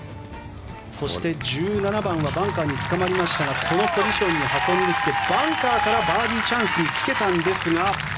そして、１７番はバンカーにつかまりましたがこのポジションまで運んでバンカーからバーディーチャンスにつけたんですが。